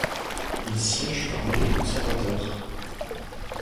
Il siège parmi les conservateurs.